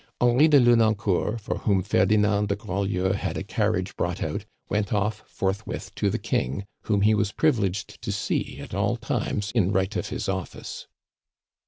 Henri de Lenoncourt, for whom Ferdinand de Grandlieu had a carriage brought out, went off forthwith to the King, whom he was privileged to see at all times in right of his office.